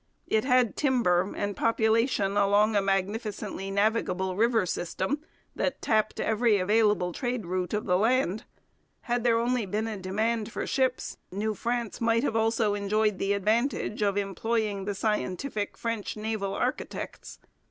It had timber and population along a magnificently navigable river system that tapped every available trade route of the land. Had there only been a demand for ships New France might have also enjoyed the advantage of employing the scientific French naval architects.